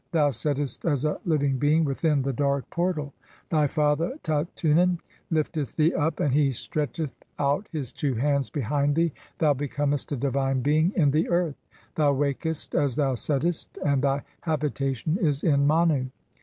Thou settest "as a living being within the dark portal. Thv father Tatunen "lifteth thee up and he stretcheth out his two hands behind thee ; "thou beeomest a divine being in the earth. Thou wakest as "thou settest, and thy habitation is in Manu.